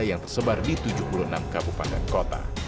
yang tersebar di tujuh puluh enam kabupaten kota